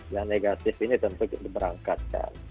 yang negatif ini tentu diberangkatkan